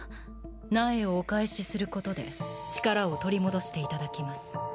苗をお返しすることで力を取り戻していただきます。